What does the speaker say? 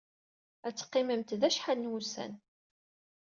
Ad teqqimemt da acḥal n wussan.